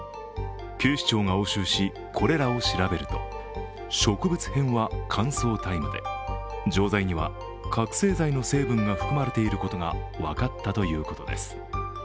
警視庁が押収し、これらを調べると植物片は乾燥大麻で、錠剤には覚醒剤の成分が含まれていることが分かったということです。